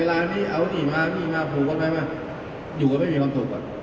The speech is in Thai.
มานี่เอานี่มานี่มาผูกก็ได้ไหมอยู่กันไม่มีความสุขอ่ะ